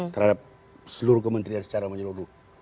terhadap seluruh kementerian secara menyeluruh